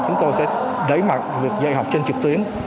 chúng tôi sẽ đẩy mạnh việc dạy học trên trực tuyến